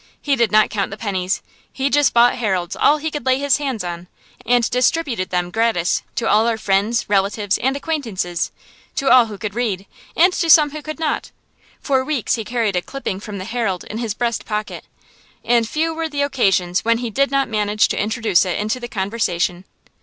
He did not count the pennies. He just bought "Heralds," all he could lay his hands on, and distributed them gratis to all our friends, relatives, and acquaintances; to all who could read, and to some who could not. For weeks he carried a clipping from the "Herald" in his breast pocket, and few were the occasions when he did not manage to introduce it into the conversation.